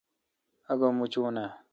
آگہ موچونہ؟